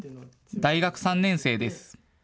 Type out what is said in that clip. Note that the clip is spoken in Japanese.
大学３年生です。